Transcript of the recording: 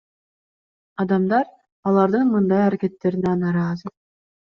Адамдар алардын мындай аракеттерине нааразы.